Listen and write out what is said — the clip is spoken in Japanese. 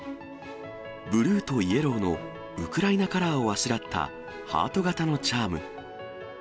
ブルーとイエローのウクライナカラーをあしらったハート形のチャーム。